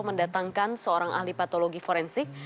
mendatangkan seorang ahli patologi forensik